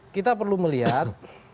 kita perlu melihat